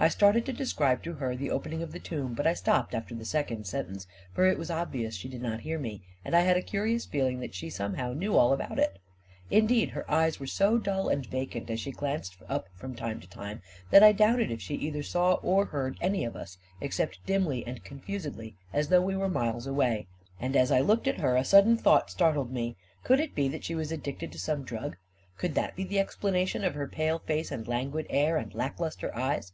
I started to describe to her the opening of the tomb, but I stopped after the second sentence, for it was obvious she did not hear me, and I had a curious feeling that she somehow knew all about it. In deed, her eyes were so dull and vacant as she glanced up from time to time, that I doubted if she 221 222 A KING IN BABYLON either saw or heard any of us, except dimly and confusedly, as though we were miles away. And as I looked at her, a sudden thought startled me. Could it be that she was addicted to some drug? Could that be the explanation of her pale face and languid air and lack lustre eyes